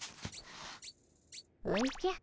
おじゃ。